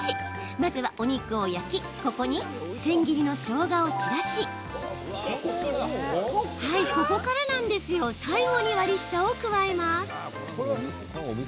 まずは、お肉を焼きここに千切りのしょうがを散らし最後に割り下を加えます。